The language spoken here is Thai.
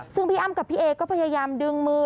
ซึ่งพี่อ้ำกับพี่เอก็พยายามดึงมือ